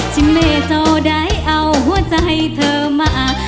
ชิเมเจ้าใดเอาหัวใจเธอมา